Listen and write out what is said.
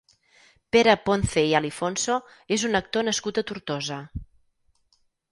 Pere Ponce i Alifonso és un actor nascut a Tortosa.